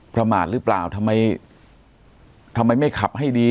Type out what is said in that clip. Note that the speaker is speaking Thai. ประมาณรึเปล่าทำไมไม่ขับให้ดี